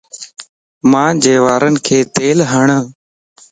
مانجي وارينکَ تيل ھڻ